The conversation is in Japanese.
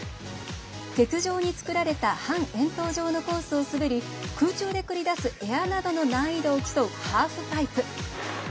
雪上に作られた半円筒状のコースを滑り空中で繰り出すエアなどの難易度を競うハーフパイプ。